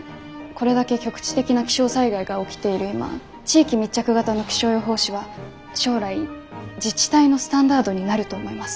これだけ局地的な気象災害が起きている今地域密着型の気象予報士は将来自治体のスタンダードになると思います。